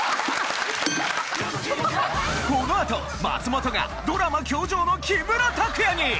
松本がドラマ『教場』の木村拓哉に！